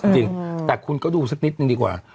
จริงแต่คุณก็ดูสักนิดนึงดีกว่า